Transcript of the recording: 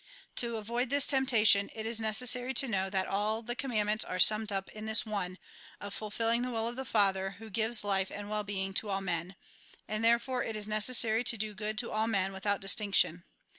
To avoid this temptation, it is necessary to know that all the commandments are summed up in this one, of fulfilling the will of the Father who gives hfe and well being to all men ; and therefore it is necessary to do good to all men, without distinction.